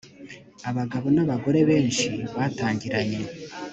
abagabo n abagore benshi batangiranye